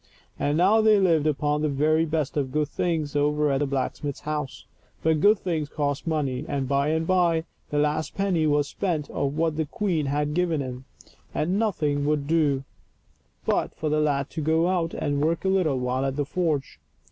And now they lived upon the very best of good things over at the blacksmith's house ; but good things cost money, and by and by the last penny was spent of what the queen had given him, and nothing would do 314 THE BEST THAT LIFE HAS TO GIVE. but for the lad to go out and work a little while at the forge.